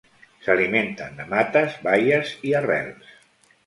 S'alimenten de mates, baies i arrels.